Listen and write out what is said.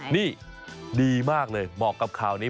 นี่ดีมากเลยบอกกับข่าวนี้